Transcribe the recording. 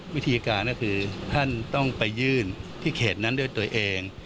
วิธีการก็คือท่านต้องไปยื่นที่เขตนั้นด้วยตัวเอง